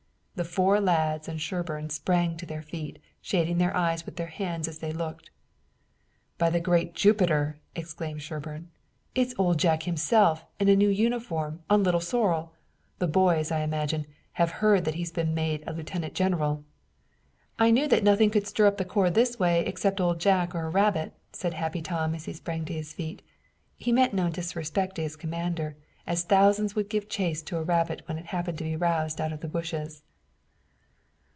The four lads and Sherburne sprang to their feet, shading their eyes with their hands as they looked. "By the great Jupiter!" exclaimed Sherburne, "it's Old Jack himself in a new uniform on Little Sorrel! The boys, I imagine, have heard that he's been made lieutenant general." "I knew that nothing could stir up the corps this way except Old Jack or a rabbit," said Happy Tom, as he sprang to his feet he meant no disrespect to his commander, as thousands would give chase to a rabbit when it happened to be roused out of the bushes.